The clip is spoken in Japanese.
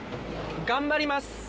頑張ります！